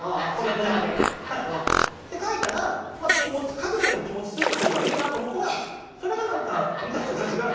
書いたら気持ち書くだけでも気持ちスッとするからいいなと思ったらそれが見た人たちが大炎上。